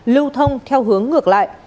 lưu thông theo hướng ngược lại